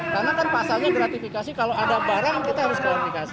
karena kan pasalnya gratifikasi kalau ada barang kita harus klarifikasi